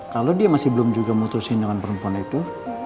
kalau dia masih belum juga memutusin dengan perempuan itu